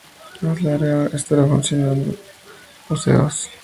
A la larga, estará confinado en museos.